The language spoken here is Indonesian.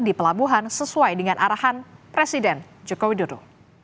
di pelabuhan sesuai dengan arahan presiden joko widodo